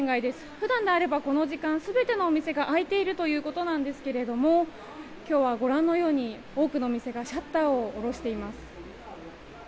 普段であれば、この時間全てのお店が開いているということですが今日はご覧のように多くの店がシャッターを下ろしています。